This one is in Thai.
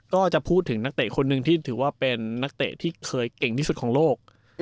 ก็จะพูดถึงนักเตะคนหนึ่งที่ถือว่าเป็นนักเตะที่เคยเก่งที่สุดของโลก